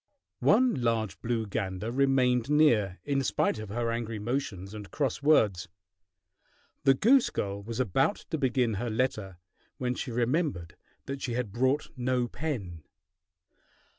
One large blue gander remained near, in spite of her angry motions and cross words. The goose girl was about to begin her letter when she remembered that she had brought no pen.